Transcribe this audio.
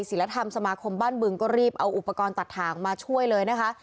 ศิลธรรมสมาคมบ้านบึงก็รีบเอาอุปกรณ์ตัดทางมาช่วยเลยนะคะ